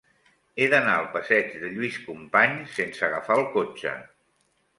He d'anar al passeig de Lluís Companys sense agafar el cotxe.